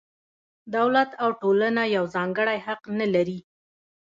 دولت او ټولنه یو ځانګړی حق نه لري.